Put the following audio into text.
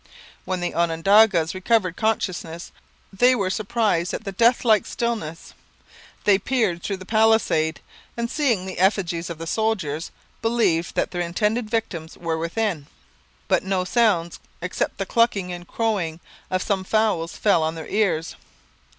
When the Onondagas recovered consciousness they were surprised at the deathlike stillness. They peered through the palisades; and, seeing the effigies of the soldiers, believed that their intended victims were within. But no sounds except the clucking and crowing of some fowls fell on their ears.